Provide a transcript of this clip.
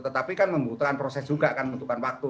tetapi kan membutuhkan proses juga kan membutuhkan waktu